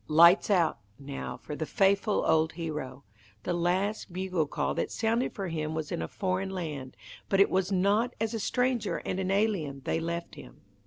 "Lights out" now for the faithful old Hero! The last bugle call that sounded for him was in a foreign land, but it was not as a stranger and an alien they left him.